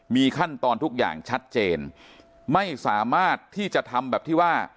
มีขั้นตอนทุกอย่างชัดเจนไม่สามารถที่จะทำแบบที่ว่า